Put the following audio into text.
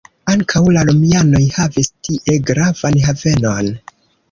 Ankaŭ la romianoj havis tie gravan havenon.